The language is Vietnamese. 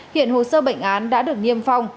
hiện hồ sơ bệnh án đã được nghiêm phong